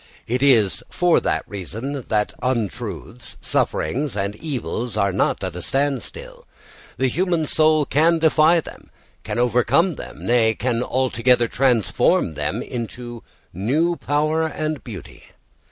It is for that reason that untruths, sufferings, and evils are not at a standstill; the human soul can defy them, can overcome them, nay, can altogether transform them into new power and beauty.